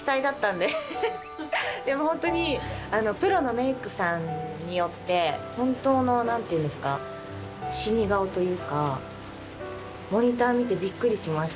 でもホントにプロのメークさんによって本当のなんていうんですか死に顔というかモニター見てビックリしました